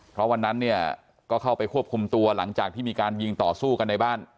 เพราะวันนั้นเนี่ยก็เข้าไปควบคุมตัวหลังจากที่มีการยิงต่อสู้กันในบ้าน